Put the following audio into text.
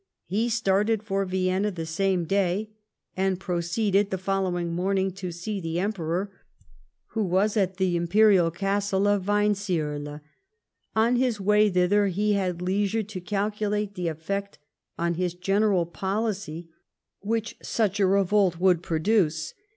He started for Vienna the same day, and proceeded, the following morning, to see the Emperor, who was at the Imperial castle of ^Veinzlerl. On his way thither he had leisure to calculate the effect on his general policy which such a revolt would produce.